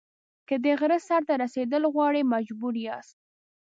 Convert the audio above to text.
که د غره سر ته رسېدل غواړئ مجبور یاست.